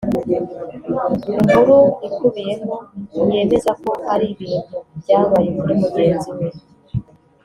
Inkuru ikubiyemo yemeza ko ari ibintu byabaye kuri mugenzi we